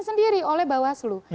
sendiri oleh bawaslu